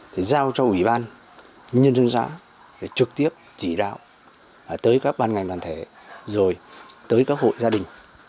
để giao cho ủy ban nhân dân giá để trực tiếp chỉ đạo tới các ban ngành đoàn thể rồi tới các hội gia đình